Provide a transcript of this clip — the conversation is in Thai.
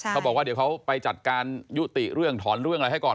เขาบอกว่าเดี๋ยวเขาไปจัดการยุติเรื่องถอนเรื่องอะไรให้ก่อน